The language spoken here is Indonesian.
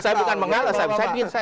saya bukan mengalah